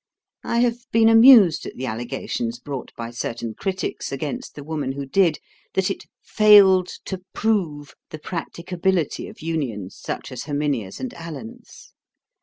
I have been amused at the allegations brought by certain critics against The Woman who Did that it "failed to prove" the practicability of unions such as Herminia's and Alan's.